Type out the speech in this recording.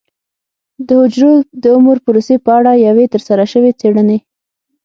د حجرو د عمر پروسې په اړه یوې ترسره شوې څېړنې